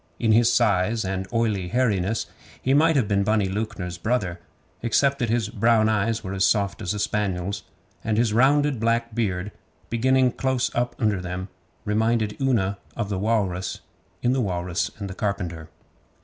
In his size and oily hairiness he might have been Bunny Lewknor's brother, except that his brown eyes were as soft as a spaniel's, and his rounded black beard, beginning close up under them, reminded Una of the walrus in 'The Walrus and the Carpenter.